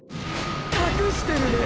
隠してるね